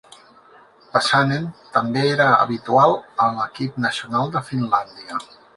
Pasanen també era habitual a l'equip nacional de Finlàndia.